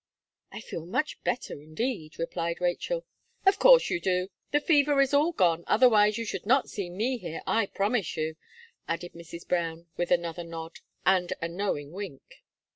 "I feel much better, indeed," replied Rachel "Of course you do; the fever is all gone, otherwise you should not see me here, I promise you," added Mrs. Brown, with another nod, and a knowing wink.